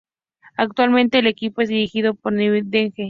Actualmente el equipo es dirigido por Nevil Dede.